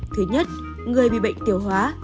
thứ nhất người bị bệnh tiêu hóa